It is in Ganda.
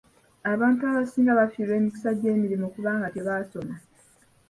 Abantu abasinga bafiirwa emikisa gy'emirimu kubanga tebaasoma.